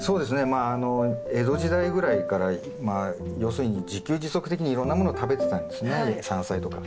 まああの江戸時代ぐらいからまあ要するに自給自足的にいろんなもの食べてたんですね山菜とか。